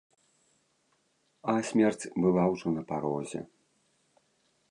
А смерць была ўжо на парозе.